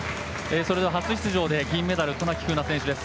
初出場で銀メダル渡名喜風南選手です。